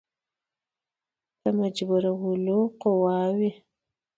د مجبورولو قواوي.